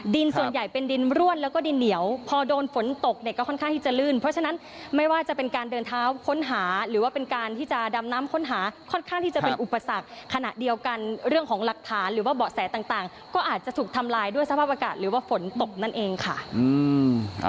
ส่วนใหญ่เป็นดินร่วนแล้วก็ดินเหนียวพอโดนฝนตกเนี่ยก็ค่อนข้างที่จะลื่นเพราะฉะนั้นไม่ว่าจะเป็นการเดินเท้าค้นหาหรือว่าเป็นการที่จะดำน้ำค้นหาค่อนข้างที่จะเป็นอุปสรรคขณะเดียวกันเรื่องของหลักฐานหรือว่าเบาะแสต่างต่างก็อาจจะถูกทำลายด้วยสภาพอากาศหรือว่าฝนตกนั่นเองค่ะอืม